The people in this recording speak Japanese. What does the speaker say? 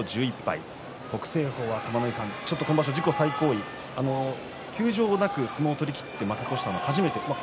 北青鵬は自己最高位休場なく相撲を取りきって負け越したのは初めてです。